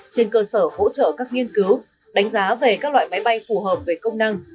trên cơ sở hỗ trợ các nghiên cứu đánh giá về các loại máy bay phù hợp với công năng